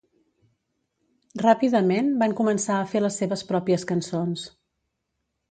Ràpidament, van començar a fer les seves pròpies cançons.